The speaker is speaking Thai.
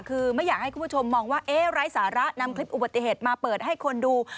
คือไม่อยากให้คุณผู้ชมมองว่าไร้สาระนำคลิปอุบัติเหตุมาเปิดให้คนดู